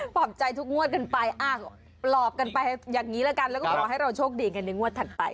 ปลอบใจทุกงวดกันไปปลอบกันไปอย่างนี้ละกันแล้วก็ขอให้เราโชคดีกันในงวดถัดไป